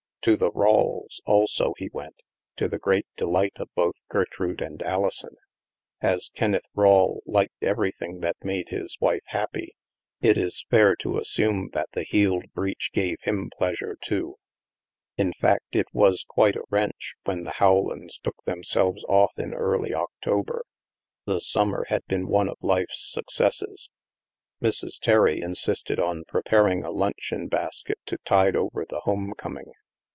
To the Rawles' also he went, to the great delight of both Gertrude and Alison. As Kenneth Rawle liked everything that made his wife happy, it is fair to asstune that the healed breach gave him pleas sure too. In fact, it was quite a wrench when the Howlands took themselves off in early October. The summer had been one of life's successes. Mrs. Terry insisted on preparing a luncheon bas ket to tide over the home coming.